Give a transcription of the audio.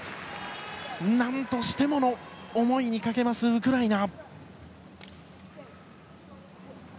何としてもの思いにかけますウクライナ。